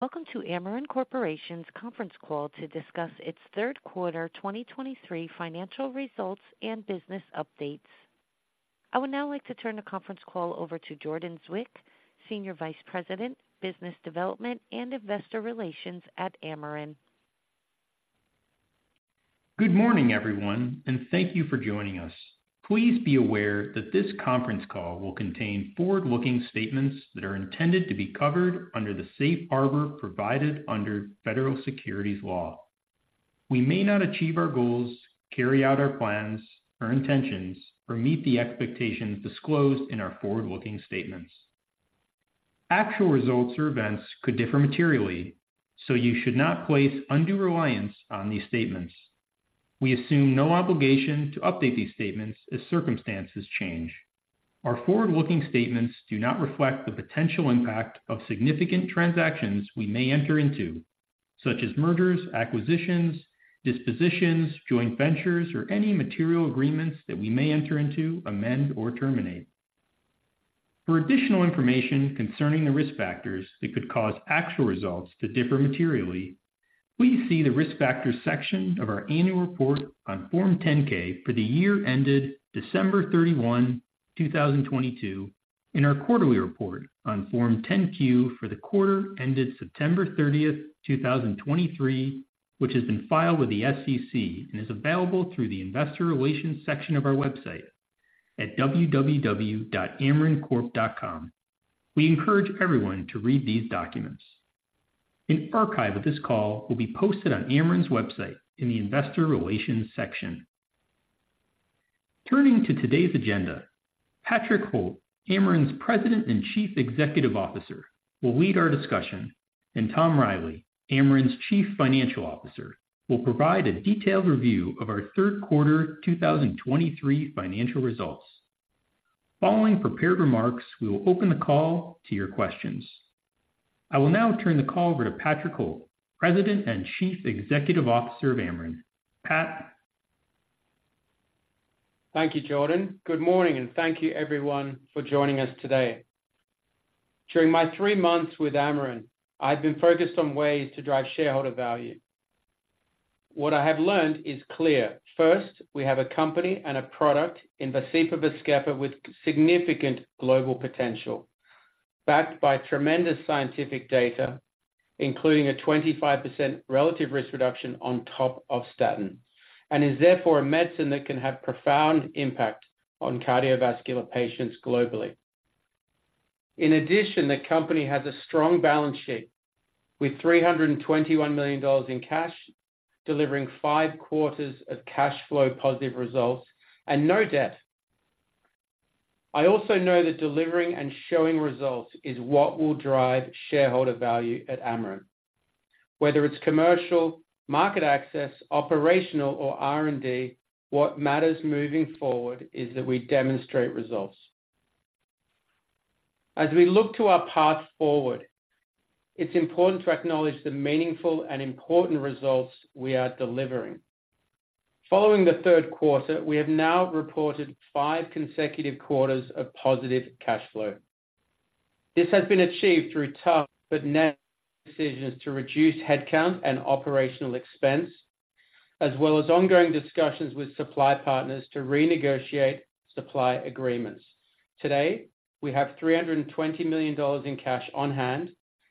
Welcome to Amarin Corporation's conference call to discuss its third quarter 2023 financial results and business updates. I would now like to turn the conference call over to Jordan Zwick, Senior Vice President, Business Development and Investor Relations at Amarin. Good morning, everyone, and thank you for joining us. Please be aware that this conference call will contain forward-looking statements that are intended to be covered under the safe harbor provided under federal securities law. We may not achieve our goals, carry out our plans or intentions, or meet the expectations disclosed in our forward-looking statements. Actual results or events could differ materially, so you should not place undue reliance on these statements. We assume no obligation to update these statements as circumstances change. Our forward-looking statements do not reflect the potential impact of significant transactions we may enter into, such as mergers, acquisitions, dispositions, joint ventures, or any material agreements that we may enter into, amend, or terminate. For additional information concerning the risk factors that could cause actual results to differ materially, please see the Risk Factors section of our Annual Report on Form 10-K for the year ended December 31, 2022, and our Quarterly Report on Form 10-Q for the quarter ended September 30th, 2023, which has been filed with the SEC and is available through the Investor Relations section of our website at www.amarincorp.com. We encourage everyone to read these documents. An archive of this call will be posted on Amarin's website in the Investor Relations section. Turning to today's agenda, Patrick Holt, Amarin's President and Chief Executive Officer, will lead our discussion, and Tom Reilly, Amarin's Chief Financial Officer, will provide a detailed review of our third quarter 2023 financial results. Following prepared remarks, we will open the call to your questions. I will now turn the call over to Patrick Holt, President and Chief Executive Officer of Amarin. Pat? Thank you, Jordan. Good morning, and thank you everyone for joining us today. During my three months with Amarin, I've been focused on ways to drive shareholder value. What I have learned is clear. First, we have a company and a product in VASCEPA/VAZKEPA with significant global potential, backed by tremendous scientific data, including a 25% relative risk reduction on top of statin, and is therefore a medicine that can have profound impact on cardiovascular patients globally. In addition, the company has a strong balance sheet with $321 million in cash, delivering five quarters of cash flow positive results and no debt. I also know that delivering and showing results is what will drive shareholder value at Amarin. Whether it's commercial, market access, operational or R&D, what matters moving forward is that we demonstrate results. As we look to our path forward, it's important to acknowledge the meaningful and important results we are delivering. Following the third quarter, we have now reported five consecutive quarters of positive cash flow. This has been achieved through tough but necessary decisions to reduce headcount and operational expense, as well as ongoing discussions with supply partners to renegotiate supply agreements. Today, we have $320 million in cash on hand,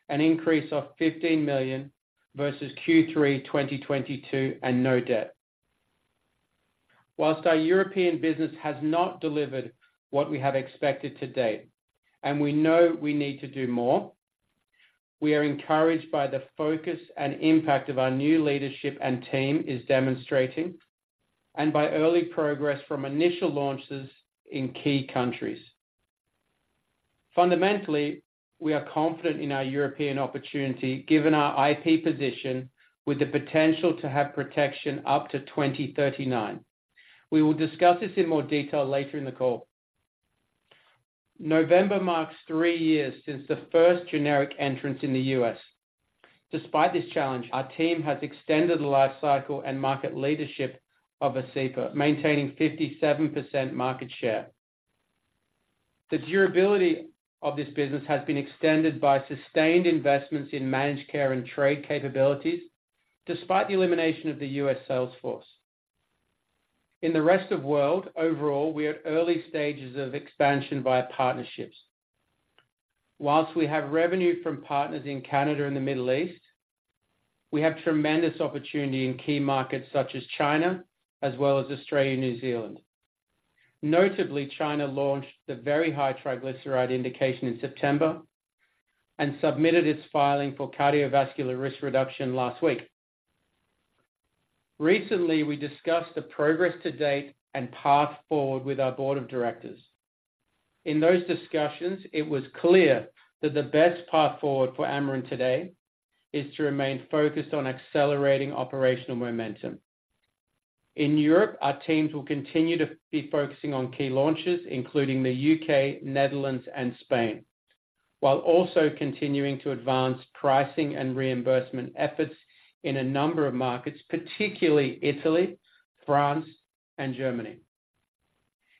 an increase of $15 million versus Q3 2022, and no debt. While our European business has not delivered what we have expected to date and we know we need to do more, we are encouraged by the focus and impact of our new leadership and team is demonstrating, and by early progress from initial launches in key countries. Fundamentally, we are confident in our European opportunity, given our IPE position, with the potential to have protection up to 2039. We will discuss this in more detail later in the call. November marks three years since the first generic entrance in the U.S. Despite this challenge, our team has extended the lifecycle and market leadership of VASCEPA, maintaining 57% market share. The durability of this business has been extended by sustained investments in managed care and trade capabilities, despite the elimination of the U.S. sales force. In the rest of world, overall, we are at early stages of expansion via partnerships. Whilst we have revenue from partners in Canada and the Middle East, we have tremendous opportunity in key markets such as China as well as Australia and New Zealand. Notably, China launched the very high triglyceride indication in September and submitted its filing for cardiovascular risk reduction last week. Recently, we discussed the progress to date and path forward with our board of directors. In those discussions, it was clear that the best path forward for Amarin today is to remain focused on accelerating operational momentum. In Europe, our teams will continue to be focusing on key launches, including the U.K., Netherlands, and Spain, while also continuing to advance pricing and reimbursement efforts in a number of markets, particularly Italy, France, and Germany.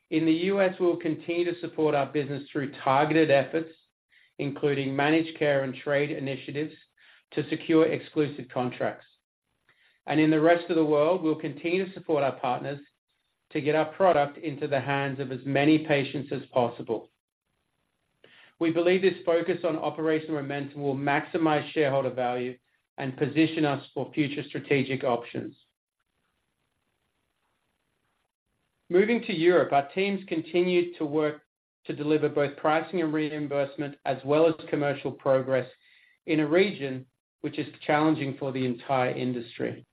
In the U.S., we'll continue to support our business through targeted efforts, including managed care and trade initiatives, to secure exclusive contracts. In the rest of the world, we'll continue to support our partners to get our product into the hands of as many patients as possible. We believe this focus on operational momentum will maximize shareholder value and position us for future strategic options. Moving to Europe, our teams continued to work to deliver both pricing and reimbursement, as well as commercial progress, in a region which is challenging for the entire industry.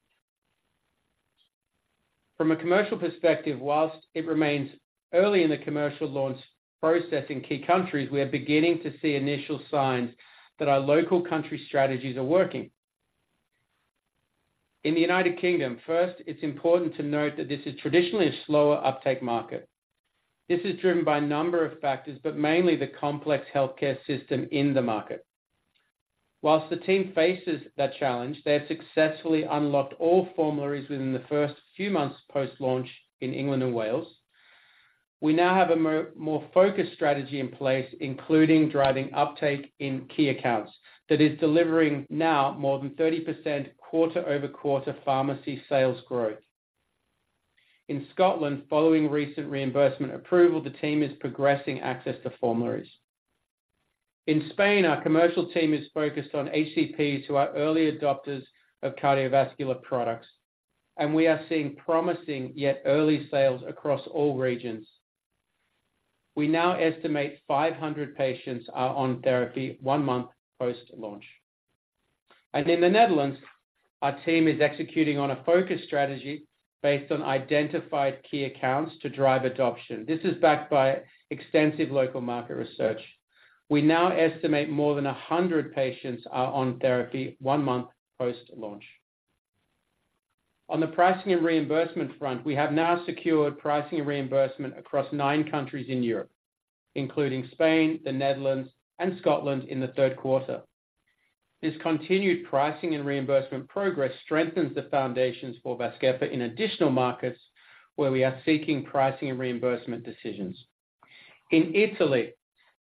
From a commercial perspective, whilst it remains early in the commercial launch process in key countries, we are beginning to see initial signs that our local country strategies are working. In the United Kingdom, first, it's important to note that this is traditionally a slower uptake market. This is driven by a number of factors, but mainly the complex healthcare system in the market. Whilst the team faces that challenge, they have successfully unlocked all formularies within the first few months post-launch in England and Wales. We now have a more, more focused strategy in place, including driving uptake in key accounts, that is delivering now more than 30% quarter-over-quarter pharmacy sales growth. In Scotland, following recent reimbursement approval, the team is progressing access to formularies. In Spain, our commercial team is focused on HCPs, who are early adopters of cardiovascular products, and we are seeing promising, yet early sales across all regions. We now estimate 500 patients are on therapy one month post-launch. In the Netherlands, our team is executing on a focused strategy based on identified key accounts to drive adoption. This is backed by extensive local market research. We now estimate more than 100 patients are on therapy one month post-launch. On the pricing and reimbursement front, we have now secured pricing and reimbursement across nine countries in Europe, including Spain, the Netherlands, and Scotland in the third quarter. This continued pricing and reimbursement progress strengthens the foundations for VAZKEPA in additional markets where we are seeking pricing and reimbursement decisions. In Italy,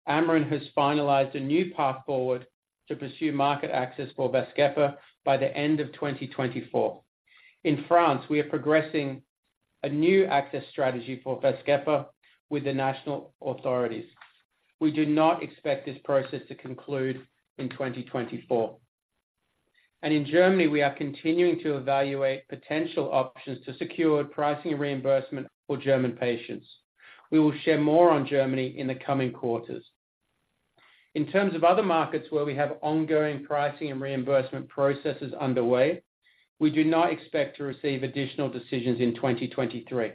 Amarin has finalized a new path forward to pursue market access for VAZKEPA by the end of 2024. In France, we are progressing a new access strategy for VAZKEPA with the national authorities. We do not expect this process to conclude in 2024. And in Germany, we are continuing to evaluate potential options to secure pricing and reimbursement for German patients. We will share more on Germany in the coming quarters. In terms of other markets where we have ongoing pricing and reimbursement processes underway, we do not expect to receive additional decisions in 2023.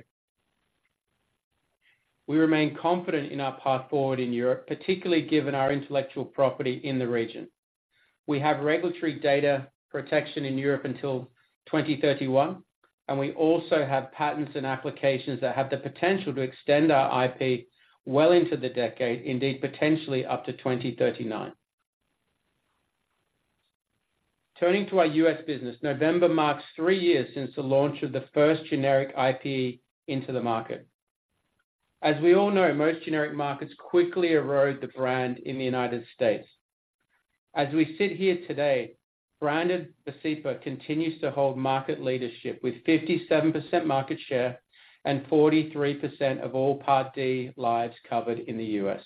We remain confident in our path forward in Europe, particularly given our intellectual property in the region. We have regulatory data protection in Europe until 2031, and we also have patents and applications that have the potential to extend our IPE well into the decade, indeed, potentially up to 2039. Turning to our U.S. business, November marks three years since the launch of the first generic IPE into the market. As we all know, most generic markets quickly erode the brand in the United States. As we sit here today, branded VASCEPA continues to hold market leadership with 57% market share and 43% of all Part D lives covered in the U.S.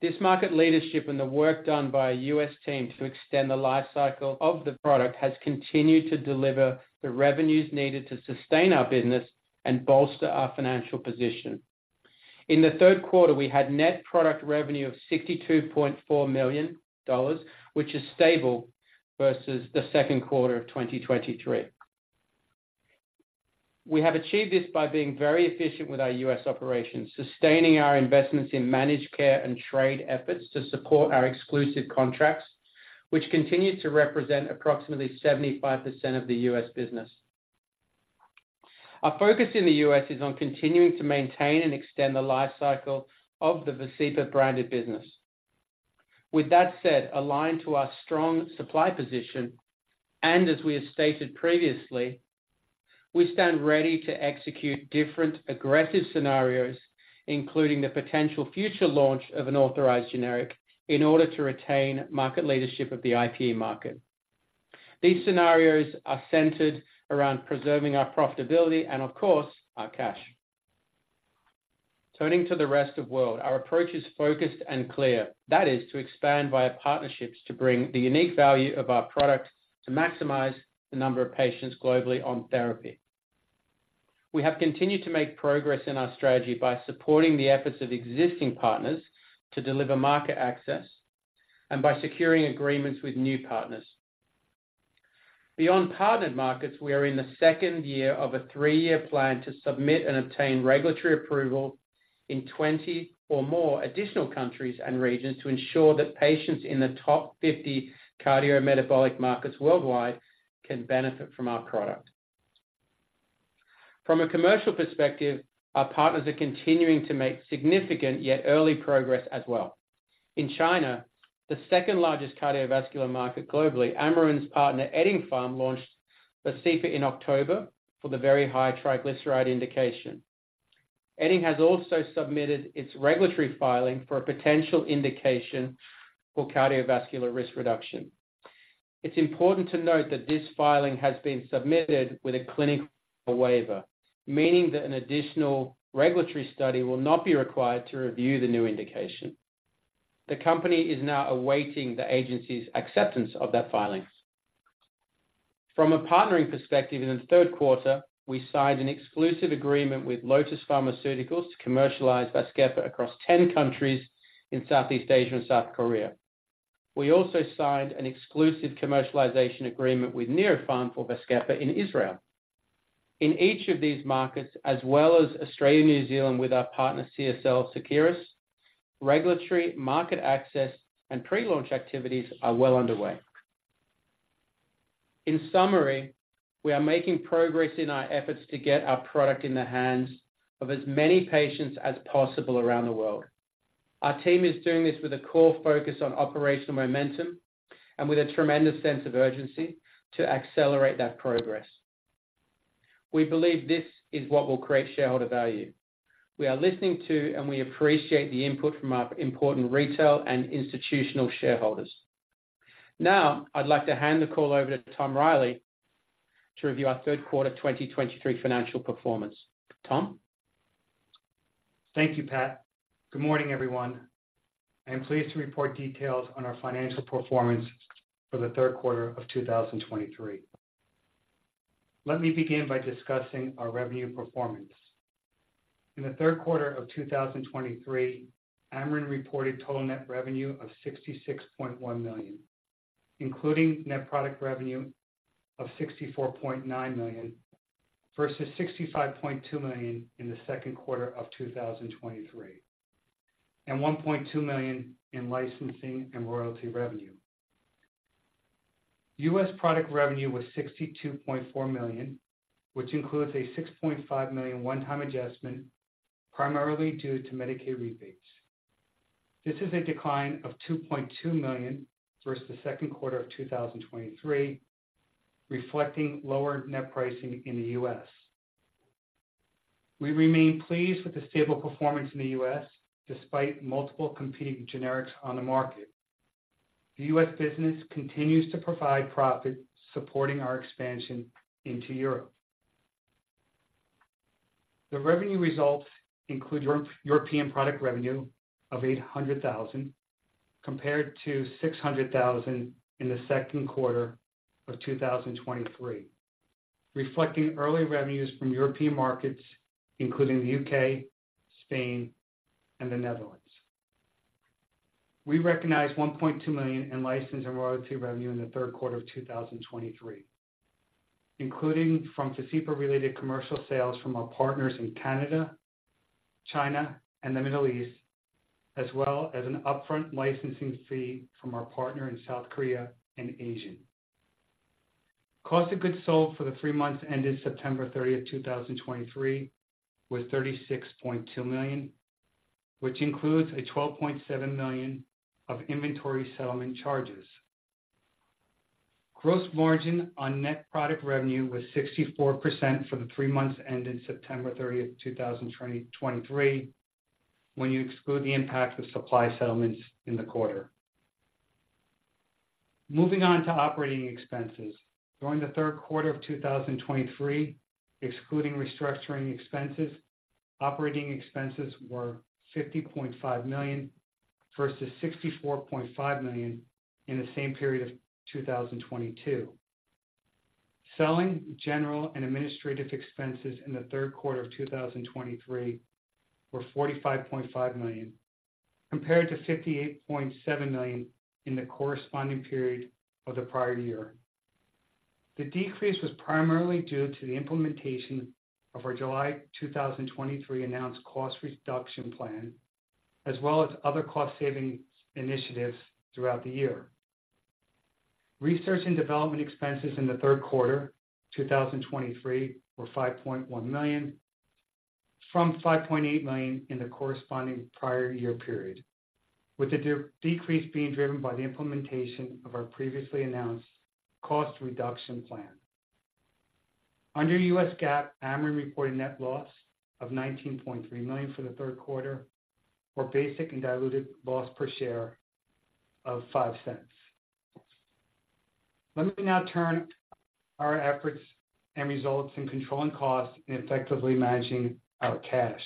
This market leadership and the work done by our U.S. team to extend the life cycle of the product, has continued to deliver the revenues needed to sustain our business and bolster our financial position. In the third quarter, we had net product revenue of $62.4 million, which is stable versus the second quarter of 2023. We have achieved this by being very efficient with our U.S. operations, sustaining our investments in managed care and trade efforts to support our exclusive contracts, which continue to represent approximately 75% of the U.S. business. Our focus in the U.S. is on continuing to maintain and extend the life cycle of the VASCEPA branded business. With that said, aligned to our strong supply position, and as we have stated previously, we stand ready to execute different aggressive scenarios, including the potential future launch of an authorized generic, in order to retain market leadership of the IPE market. These scenarios are centered around preserving our profitability and, of course, our cash. Turning to the rest of world, our approach is focused and clear. That is, to expand via partnerships to bring the unique value of our products to maximize the number of patients globally on therapy. We have continued to make progress in our strategy by supporting the efforts of existing partners to deliver market access and by securing agreements with new partners. Beyond partnered markets, we are in the second year of a three-year plan to submit and obtain regulatory approval in 20 or more additional countries and regions, to ensure that patients in the top 50 cardiometabolic markets worldwide can benefit from our product. From a commercial perspective, our partners are continuing to make significant, yet early progress as well. In China, the second-largest cardiovascular market globally, Amarin's partner, Eddingpharm, launched VASCEPA in October for the very high triglyceride indication. Edding has also submitted its regulatory filing for a potential indication for cardiovascular risk reduction. It's important to note that this filing has been submitted with a clinical waiver, meaning that an additional regulatory study will not be required to review the new indication. The company is now awaiting the agency's acceptance of that filing. From a partnering perspective, in the third quarter, we signed an exclusive agreement with Lotus Pharmaceuticals to commercialize VAZKEPA across 10 countries in Southeast Asia and South Korea. We also signed an exclusive commercialization agreement with Neopharm for VAZKEPA in Israel. In each of these markets, as well as Australia, New Zealand, with our partner, CSL Seqirus, regulatory market access and pre-launch activities are well underway. In summary, we are making progress in our efforts to get our product in the hands of as many patients as possible around the world. Our team is doing this with a core focus on operational momentum and with a tremendous sense of urgency to accelerate that progress. We believe this is what will create shareholder value. We are listening to, and we appreciate the input from our important retail and institutional shareholders. Now, I'd like to hand the call over to Tom Reilly to review our third quarter 2023 financial performance. Tom? Thank you, Pat. Good morning, everyone. I am pleased to report details on our financial performance for the third quarter of 2023. Let me begin by discussing our revenue performance. In the third quarter of 2023, Amarin reported total net revenue of $66.1 million, including net product revenue of $64.9 million, versus $65.2 million in the second quarter of 2023, and $1.2 million in licensing and royalty revenue. U.S. product revenue was $62.4 million, which includes a $6.5 million one-time adjustment, primarily due to Medicaid rebates. This is a decline of $2.2 million versus the second quarter of 2023, reflecting lower net pricing in the U.S. We remain pleased with the stable performance in the U.S., despite multiple competing generics on the market. The U.S. business continues to provide profit, supporting our expansion into Europe. The revenue results include European product revenue of 800,000, compared to 600,000 in the second quarter of 2023, reflecting early revenues from European markets, including the U.K., Spain, and the Netherlands. We recognized $1.2 million in license and royalty revenue in the third quarter of 2023, including from VASCEPA-related commercial sales from our partners in Canada, China, and the Middle East, as well as an upfront licensing fee from our partner in South Korea and Asia. Cost of goods sold for the three months ended September 30th, 2023, was $36.2 million, which includes a $12.7 million of inventory settlement charges. Gross margin on net product revenue was 64% for the three months ended September 30th, 2023, when you exclude the impact of supply settlements in the quarter. Moving on to operating expenses. During the third quarter of 2023, excluding restructuring expenses, operating expenses were $50.5 million, versus $64.5 million in the same period of 2022. Selling, general, and administrative expenses in the third quarter of 2023 were $45.5 million, compared to $58.7 million in the corresponding period of the prior year. The decrease was primarily due to the implementation of our July 2023 announced cost reduction plan, as well as other cost-saving initiatives throughout the year. Research and development expenses in the third quarter, 2023, were $5.1 million, from $5.8 million in the corresponding prior year period, with the decrease being driven by the implementation of our previously announced cost reduction plan. Under U.S. GAAP, Amarin reported net loss of $19.3 million for the third quarter, or basic and diluted loss per share of $0.05. Let me now turn our efforts and results in controlling costs and effectively managing our cash.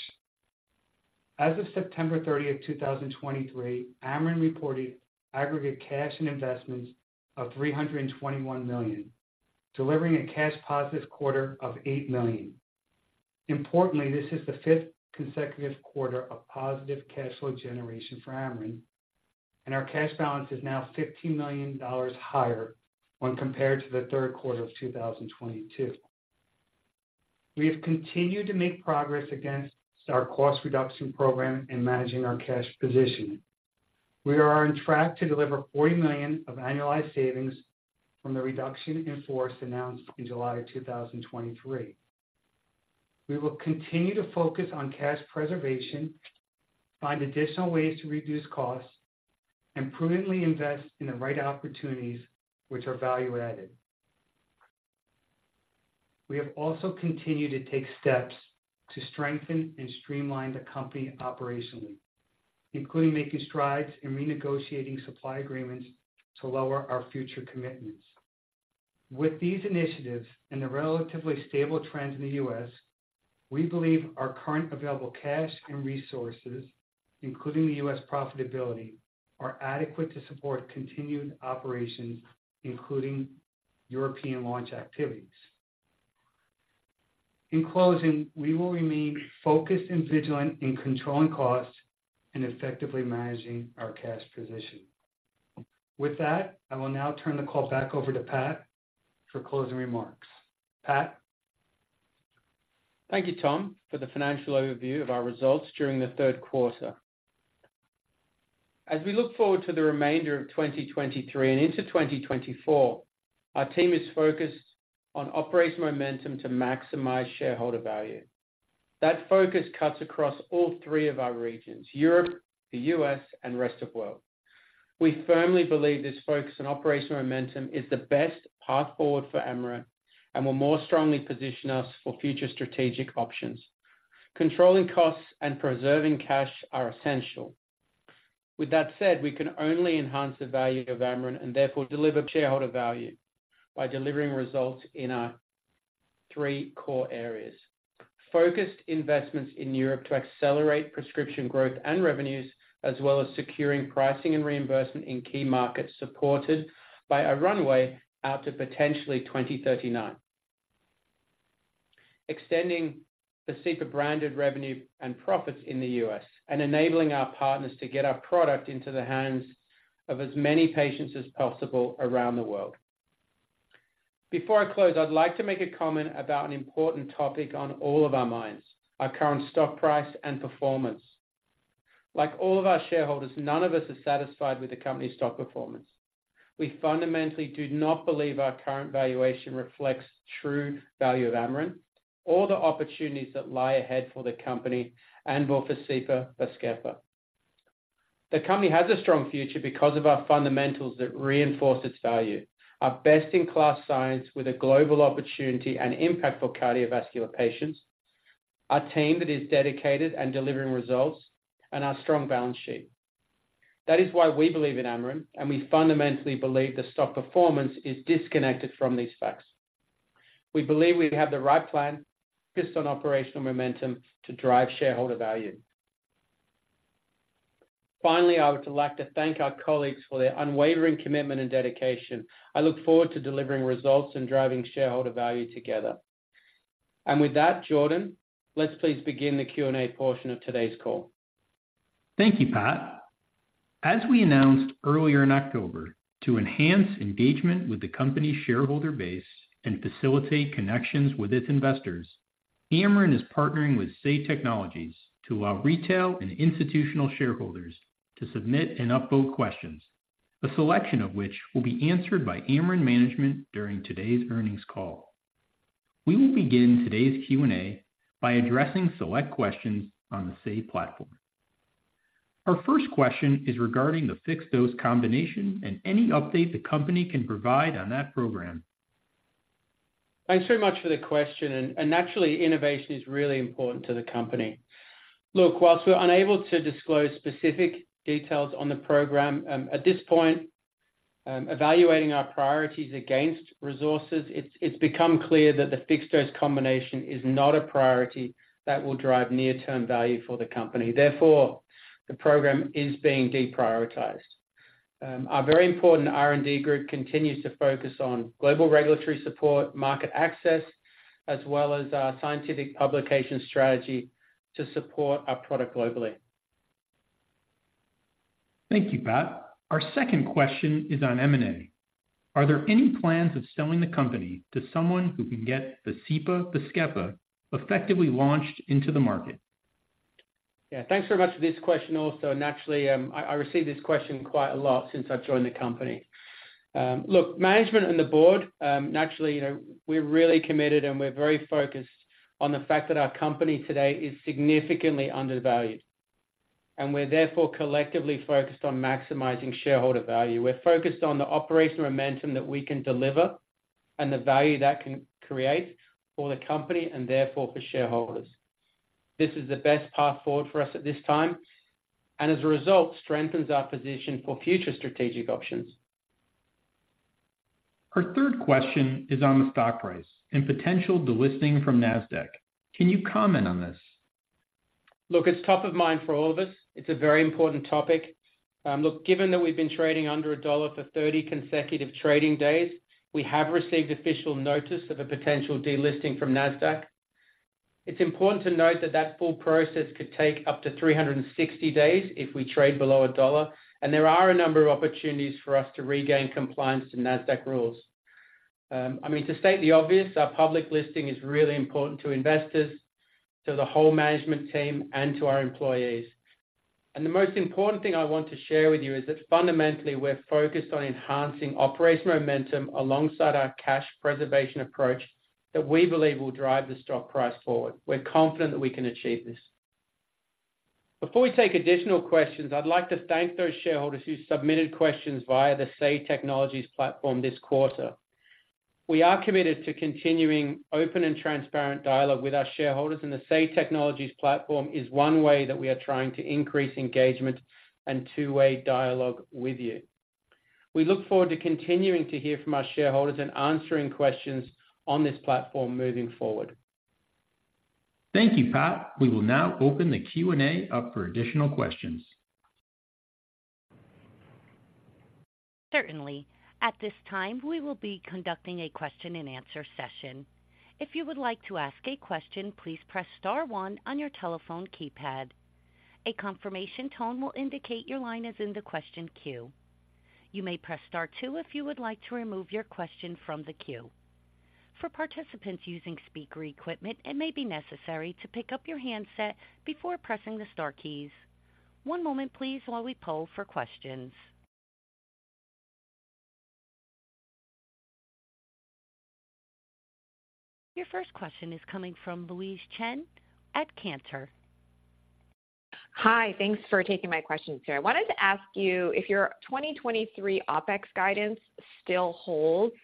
As of September 30th, 2023, Amarin reported aggregate cash and investments of $321 million, delivering a cash positive quarter of $8 million. Importantly, this is the 5th consecutive quarter of positive cash flow generation for Amarin, and our cash balance is now $15 million higher when compared to the third quarter of 2022. We have continued to make progress against our cost reduction program in managing our cash position. We are on track to deliver $40 million of annualized savings from the reduction in force announced in July 2023. We will continue to focus on cash preservation, find additional ways to reduce costs, and prudently invest in the right opportunities which are value-added. We have also continued to take steps to strengthen and streamline the company operationally, including making strides in renegotiating supply agreements to lower our future commitments. With these initiatives and the relatively stable trends in the U.S., we believe our current available cash and resources, including the U.S. profitability, are adequate to support continued operations, including European launch activities. In closing, we will remain focused and vigilant in controlling costs and effectively managing our cash position. With that, I will now turn the call back over to Pat for closing remarks. Pat? Thank you, Tom, for the financial overview of our results during the third quarter. As we look forward to the remainder of 2023 and into 2024, our team is focused on operating momentum to maximize shareholder value. That focus cuts across all three of our regions, Europe, the U.S., and rest of world. We firmly believe this focus on operational momentum is the best path forward for Amarin and will more strongly position us for future strategic options. Controlling costs and preserving cash are essential. With that said, we can only enhance the value of Amarin and therefore deliver shareholder value by delivering results in our three core areas. Focused investments in Europe to accelerate prescription growth and revenues, as well as securing pricing and reimbursement in key markets, supported by a runway out to potentially 2039. Extending the VASCEPA branded revenue and profits in the U.S. and enabling our partners to get our product into the hands of as many patients as possible around the world. Before I close, I'd like to make a comment about an important topic on all of our minds, our current stock price and performance. Like all of our shareholders, none of us are satisfied with the company's stock performance. We fundamentally do not believe our current valuation reflects true value of Amarin or the opportunities that lie ahead for the company and VASCEPA/VAZKEPA. The company has a strong future because of our fundamentals that reinforce its value. Our best-in-class science with a global opportunity and impact for cardiovascular patients, a team that is dedicated and delivering results, and our strong balance sheet. That is why we believe in Amarin, and we fundamentally believe the stock performance is disconnected from these facts. We believe we have the right plan focused on operational momentum to drive shareholder value. Finally, I would like to thank our colleagues for their unwavering commitment and dedication. I look forward to delivering results and driving shareholder value together. With that, Jordan, let's please begin the Q&A portion of today's call. Thank you, Pat. As we announced earlier in October, to enhance engagement with the company's shareholder base and facilitate connections with its investors, Amarin is partnering with Say Technologies to allow retail and institutional shareholders to submit and upvote questions, a selection of which will be answered by Amarin management during today's earnings call. We will begin today's Q&A by addressing select questions on the Say platform. Our first question is regarding the fixed dose combination and any update the company can provide on that program. Thanks very much for the question, and naturally, innovation is really important to the company. Look, while we're unable to disclose specific details on the program, at this point, evaluating our priorities against resources, it's become clear that the fixed dose combination is not a priority that will drive near-term value for the company. Therefore, the program is being deprioritized. Our very important R&D group continues to focus on global regulatory support, market access, as well as our scientific publication strategy to support our product globally. Thank you, Pat. Our second question is on M&A. Are there any plans of selling the company to someone who can get the VASCEPA/VAZKEPA, effectively launched into the market? Yeah, thanks very much for this question also. Naturally, I receive this question quite a lot since I've joined the company. Look, management and the board, naturally, you know, we're really committed and we're very focused on the fact that our company today is significantly undervalued, and we're therefore collectively focused on maximizing shareholder value. We're focused on the operational momentum that we can deliver and the value that can create for the company and therefore for shareholders. This is the best path forward for us at this time, and as a result, strengthens our position for future strategic options. Our third question is on the stock price and potential delisting from NASDAQ. Can you comment on this? Look, it's top of mind for all of us. It's a very important topic. Look, given that we've been trading under $1 for 30 consecutive trading days, we have received official notice of a potential delisting from NASDAQ. It's important to note that that full process could take up to 360 days if we trade below $1, and there are a number of opportunities for us to regain compliance to NASDAQ rules. I mean, to state the obvious, our public listing is really important to investors, to the whole management team, and to our employees. And the most important thing I want to share with you is that fundamentally, we're focused on enhancing operational momentum alongside our cash preservation approach that we believe will drive the stock price forward. We're confident that we can achieve this. Before we take additional questions, I'd like to thank those shareholders who submitted questions via the Say Technologies platform this quarter. We are committed to continuing open and transparent dialogue with our shareholders, and the Say Technologies platform is one way that we are trying to increase engagement and two-way dialogue with you. We look forward to continuing to hear from our shareholders and answering questions on this platform moving forward. Thank you, Pat. We will now open the Q&A up for additional questions. Certainly, at this time, we will be conducting a question-and-answer session. If you would like to ask a question, please press star one on your telephone keypad. A confirmation tone will indicate your line is in the question queue. You may press star two if you would like to remove your question from the queue. For participants using speaker equipment, it may be necessary to pick up your handset before pressing the star keys. One moment please, while we poll for questions. Your first question is coming from Louise Chen at Cantor. Hi, thanks for taking my question, sir. I wanted to ask you if your 2023 OpEx guidance still holds,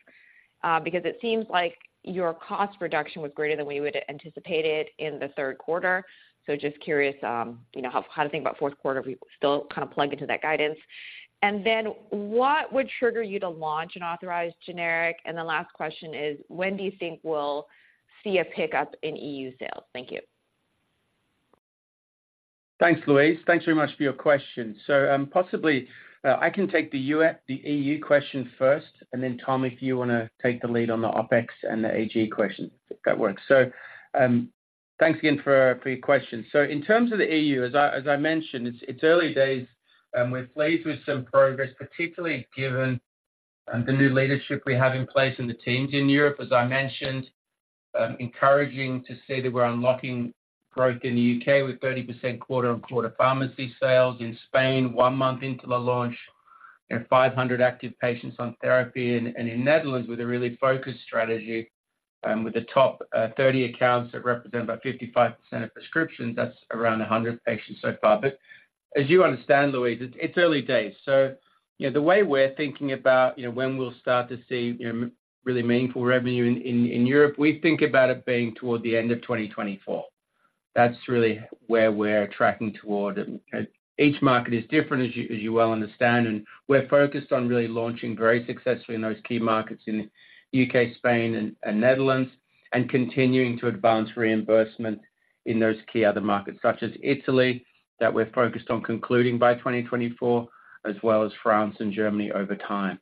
because it seems like your cost reduction was greater than we would have anticipated in the third quarter. So just curious, you know, how to think about fourth quarter if we still kind of plug into that guidance. And then what would trigger you to launch an authorized generic? And the last question is: when do you think we'll see a pickup in EU sales? Thank you. Thanks, Louise. Thanks very much for your question. So, possibly, I can take the U.S., the EU question first, and then Tom, if you want to take the lead on the OpEx and the AG question, if that works. So, thanks again for your question. So in terms of the EU, as I mentioned, it's early days. We're pleased with some progress, particularly given the new leadership we have in place in the teams in Europe. As I mentioned, encouraging to see that we're unlocking growth in the U.K. with 30% quarter-on-quarter pharmacy sales. In Spain, one month into the launch, there are 500 active patients on therapy and in Netherlands with a really focused strategy, with the top 30 accounts that represent about 55% of prescriptions, that's around 100 patients so far. But as you understand, Louise, it's early days. So, you know, the way we're thinking about, you know, when we'll start to see, you know, really meaningful revenue in Europe, we think about it being toward the end of 2024. That's really where we're tracking toward. Each market is different, as you well understand, and we're focused on really launching very successfully in those key markets in U.K., Spain and Netherlands, and continuing to advance reimbursement in those key other markets, such as Italy, that we're focused on concluding by 2024, as well as France and Germany over time.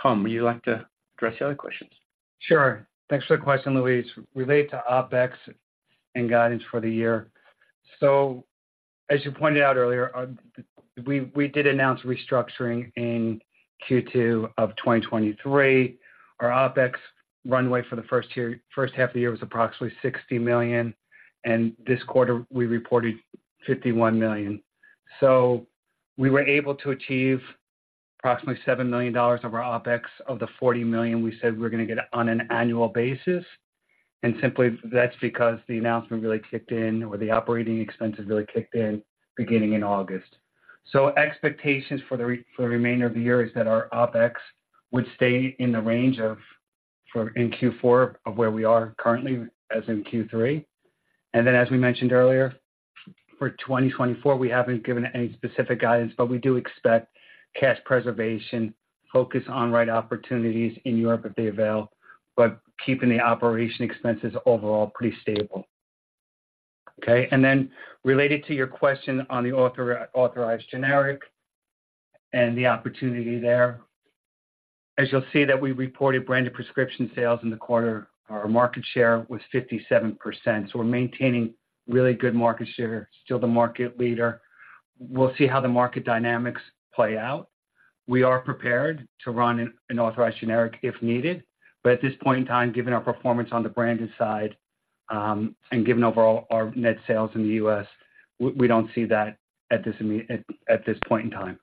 Tom, would you like to address the other questions? Sure. Thanks for the question, Louise. Related to OpEx and guidance for the year. So as you pointed out earlier, we did announce restructuring in Q2 of 2023. Our OpEx runway for the first half of the year was approximately $60 million, and this quarter we reported $51 million. So we were able to achieve approximately $7 million of our OpEx of the $40 million we said we're going to get on an annual basis, and simply that's because the announcement really kicked in, or the operating expenses really kicked in beginning in August. So expectations for the remainder of the year is that our OpEx would stay in the range of, for Q4, of where we are currently, as in Q3. Then, as we mentioned earlier, for 2024, we haven't given any specific guidance, but we do expect cash preservation, focus on right opportunities in Europe if they avail, but keeping the operating expenses overall pretty stable. Okay, and then related to your question on the authorized generic and the opportunity there. As you'll see that we reported branded prescription sales in the quarter, our market share was 57%. So we're maintaining really good market share, still the market leader. We'll see how the market dynamics play out. We are prepared to run an authorized generic if needed, but at this point in time, given our performance on the branded side, and given overall our net sales in the U.S., we don't see that at this point in time.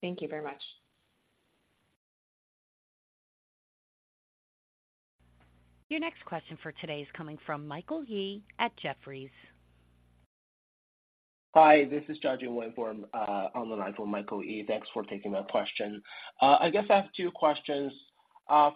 Thank you very much. Your next question for today is coming from Michael Yee at Jefferies. Hi, this is Jiajun Wen for, on the line for Michael Yee. Thanks for taking my question. I guess I have two questions.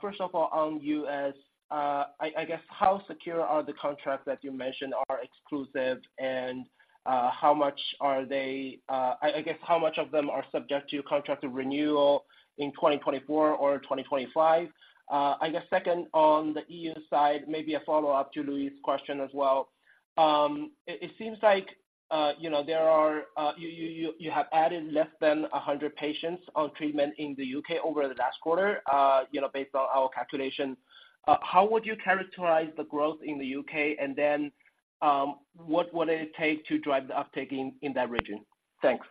First of all, on U.S., I guess, how secure are the contracts that you mentioned are exclusive, and, how much are they. I guess, how much of them are subject to contract renewal in 2024 or 2025? I guess second, on the EU side, maybe a follow-up to Louise's question as well. It seems like, you know, there are, you have added less than 100 patients on treatment in the U.K. over the last quarter, you know, based on our calculation. How would you characterize the growth in the U.K.? And then, what would it take to drive the uptake in that region? Thanks.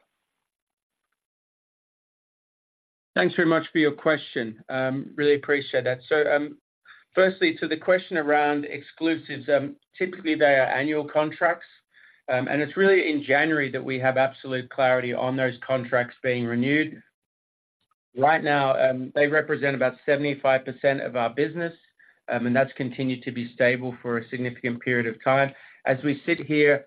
Thanks very much for your question. Really appreciate that. So, firstly, to the question around exclusives, typically, they are annual contracts, and it's really in January that we have absolute clarity on those contracts being renewed. Right now, they represent about 75% of our business, and that's continued to be stable for a significant period of time. As we sit here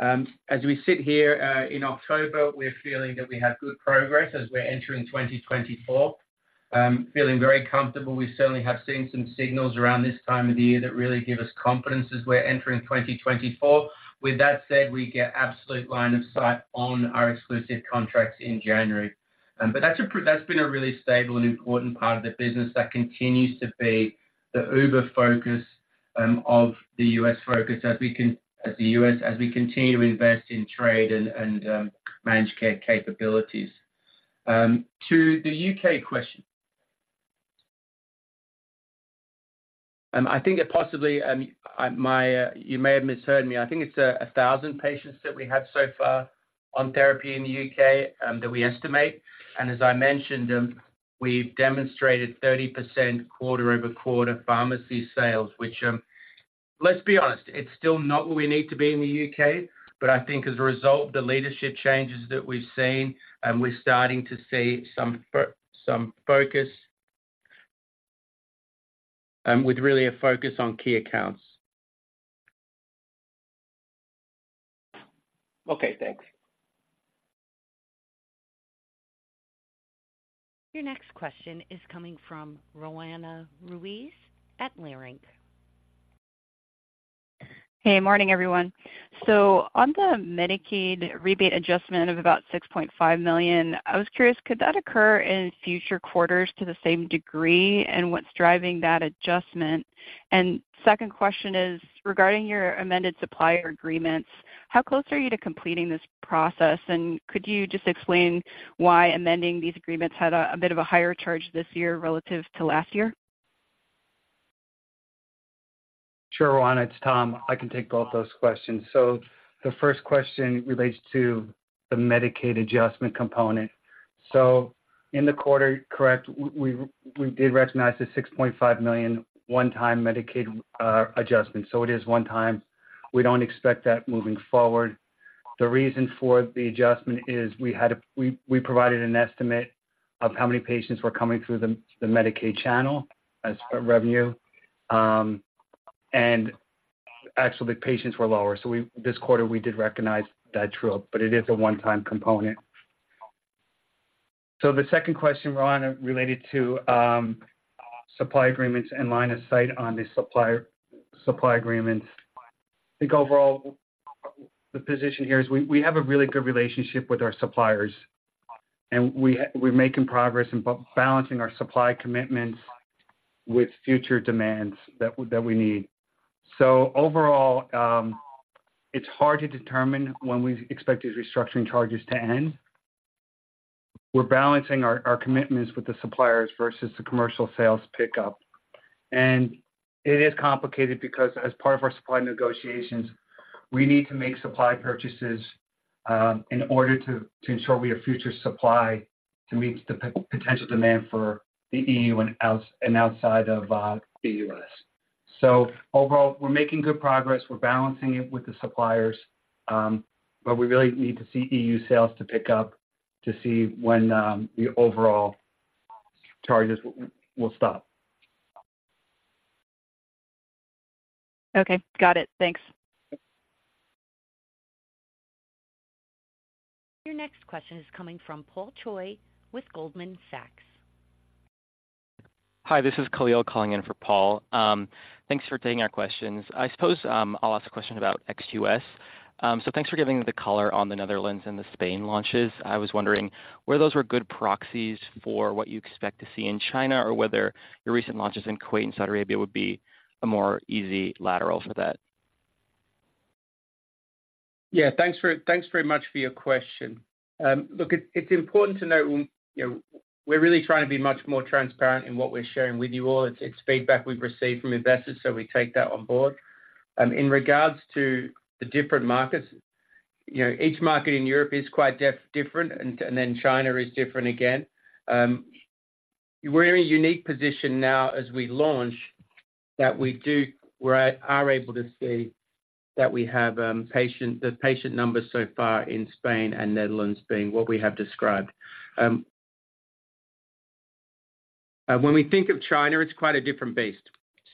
in October, we're feeling that we have good progress as we're entering 2024. Feeling very comfortable. We certainly have seen some signals around this time of the year that really give us confidence as we're entering 2024. With that said, we get absolute line of sight on our exclusive contracts in January. But that's been a really stable and important part of the business that continues to be the uber focus of the U.S. focus as the U.S. as we continue to invest in trade and managed care capabilities. To the U.K. question. I think possibly you may have misheard me. I think it's 1,000 patients that we have so far on therapy in the U.K. that we estimate. And as I mentioned, we've demonstrated 30% quarter-over-quarter pharmacy sales, which, let's be honest, it's still not where we need to be in the U.K., but I think as a result of the leadership changes that we've seen, and we're starting to see some focus with really a focus on key accounts. Okay, thanks. Your next question is coming from Roanna Ruiz at Leerink. Hey, morning, everyone. So on the Medicaid rebate adjustment of about $6.5 million, I was curious, could that occur in future quarters to the same degree? And what's driving that adjustment? And second question is regarding your amended supplier agreements, how close are you to completing this process? And could you just explain why amending these agreements had a bit of a higher charge this year relative to last year? Sure, Roanna, it's Tom. I can take both those questions. So the first question relates to the Medicaid adjustment component. So in the quarter, correct, we did recognize the $6.5 million one-time Medicaid adjustment, so it is one time. We don't expect that moving forward. The reason for the adjustment is we provided an estimate of how many patients were coming through the Medicaid channel as revenue. And actually, the patients were lower, so this quarter, we did recognize that drop, but it is a one-time component. So the second question, Roanna, related to supply agreements and line of sight on the supplier supply agreements. I think overall, the position here is we have a really good relationship with our suppliers, and we're making progress in balancing our supply commitments with future demands that we need. So overall, it's hard to determine when we expect these restructuring charges to end. We're balancing our commitments with the suppliers versus the commercial sales pickup. And it is complicated because as part of our supply negotiations, we need to make supply purchases in order to ensure we have future supply to meet the potential demand for the EU and outside of the U.S. So overall, we're making good progress. We're balancing it with the suppliers, but we really need to see EU sales pick up to see when the overall charges will stop. Okay, got it. Thanks. Your next question is coming from Paul Choi with Goldman Sachs. Hi, this is Kahlil calling in for Paul. Thanks for taking our questions. I suppose, I'll ask a question about ex-U.S. So thanks for giving the color on the Netherlands and the Spain launches. I was wondering whether those were good proxies for what you expect to see in China, or whether your recent launches in Kuwait and Saudi Arabia would be a more easy lateral for that. Yeah. Thanks very much for your question. Look, it's important to note, you know, we're really trying to be much more transparent in what we're sharing with you all. It's feedback we've received from investors, so we take that on board. In regards to the different markets, you know, each market in Europe is quite different, and then China is different again. We're in a unique position now as we launch that we are able to see that we have the patient numbers so far in Spain and Netherlands being what we have described. When we think of China, it's quite a different beast.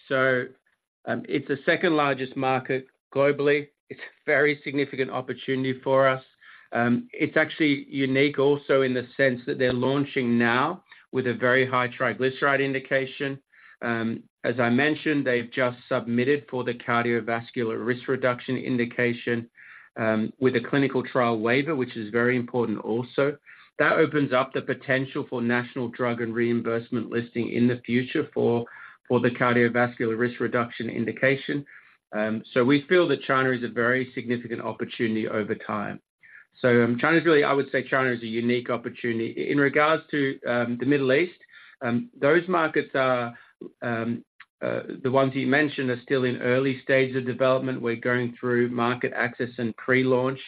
So, it's the second-largest market globally. It's a very significant opportunity for us. It's actually unique also in the sense that they're launching now with a very high triglyceride indication. As I mentioned, they've just submitted for the cardiovascular risk reduction indication, with a Clinical Trial Waiver, which is very important also. That opens up the potential for national drug and reimbursement listing in the future for the cardiovascular risk reduction indication. So we feel that China is a very significant opportunity over time. So, China is really - I would say China is a unique opportunity. In regards to the Middle East, those markets are the ones you mentioned are still in early stages of development. We're going through market access and pre-launch.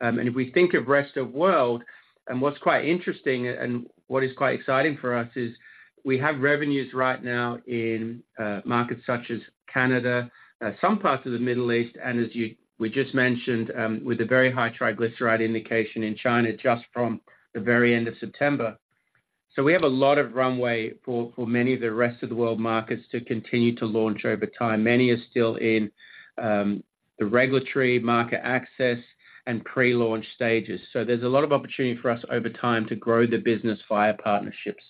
And if we think of rest of world, and what's quite interesting and what is quite exciting for us is we have revenues right now in markets such as Canada, some parts of the Middle East, and we just mentioned, with a Very High Triglyceride Indication in China, just from the very end of September. So we have a lot of runway for many of the rest of the world markets to continue to launch over time. Many are still in the regulatory market access and pre-launch stages. So there's a lot of opportunity for us over time to grow the business via partnerships.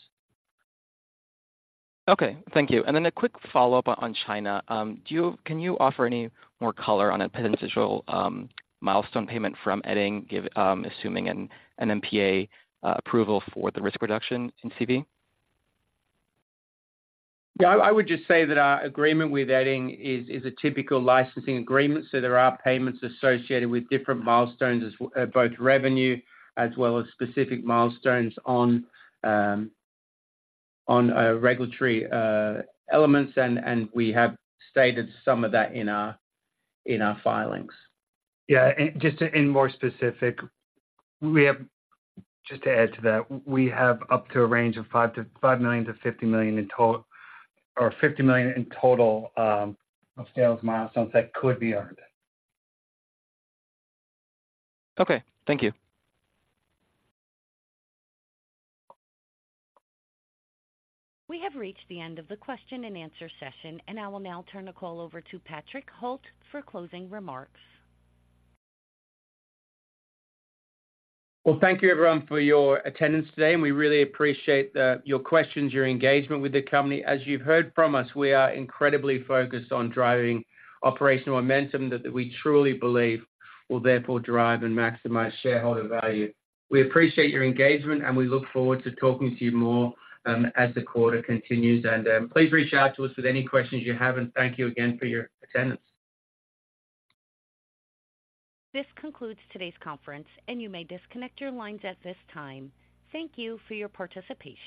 Okay, thank you. And then a quick follow-up on China. Can you offer any more color on a potential milestone payment from Eddingpharm, assuming an NMPA approval for the risk reduction in CV? Yeah, I would just say that our agreement with Edding is a typical licensing agreement, so there are payments associated with different milestones, as both revenue as well as specific milestones on regulatory elements, and we have stated some of that in our filings. Yeah, and more specific, we have, just to add to that, we have up to a range of $5 million-$50 million in total, or $50 million in total, of sales milestones that could be earned. Okay, thank you. We have reached the end of the question and answer session, and I will now turn the call over to Patrick Holt for closing remarks. Well, thank you, everyone, for your attendance today, and we really appreciate your questions, your engagement with the company. As you've heard from us, we are incredibly focused on driving operational momentum that we truly believe will therefore drive and maximize shareholder value. We appreciate your engagement, and we look forward to talking to you more as the quarter continues. Please reach out to us with any questions you have, and thank you again for your attendance. This concludes today's conference, and you may disconnect your lines at this time. Thank you for your participation.